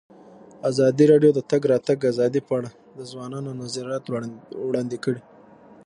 ازادي راډیو د د تګ راتګ ازادي په اړه د ځوانانو نظریات وړاندې کړي.